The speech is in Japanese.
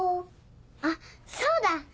あっそうだ！